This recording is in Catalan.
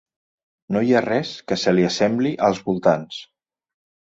No hi ha res que se li sembli als voltants.